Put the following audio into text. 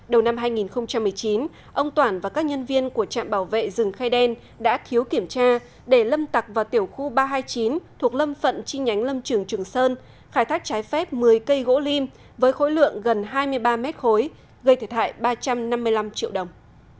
đầu năm hai nghìn một mươi chín ông toản và các nhân viên của trạm bảo vệ rừng khai đen đã thiếu kiểm tra để lâm tặc vào tiểu khu ba trăm hai mươi chín thuộc lâm phận chi nhánh lâm trường trường sơn khai thác trái phép một mươi cây gỗ lim với khối lượng gần hai mươi ba mét khối gây thể thại ba trăm năm mươi năm triệu đồng